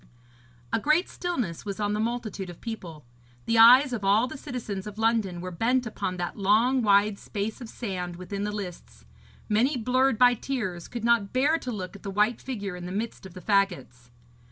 A great stillness was on the multitude of people. The eyes of all the citizens of London were bent upon that long wide space of sand within the lists; many, blurred by tears, could not bear to look at the white figure in the midst of the faggots.